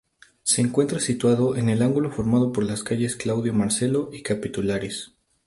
Se encuentra situado en el ángulo formado por las calles Claudio Marcelo y Capitulares.